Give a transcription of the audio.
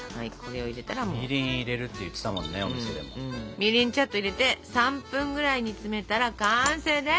みりんちゃっと入れて３分ぐらい煮詰めたら完成です！